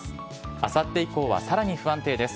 あさって以降はさらに不安定です。